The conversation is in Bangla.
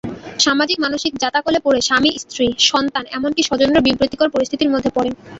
সামাজিক মানসিক জাঁতাকলে পড়ে স্বামী-স্ত্রী, সন্তান এমনকি স্বজনেরাও বিব্রতকর পরিস্থিতির মধ্যে পড়েন।